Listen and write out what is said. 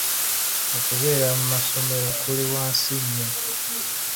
Okubeera mu masomero kuli wansi nnyo.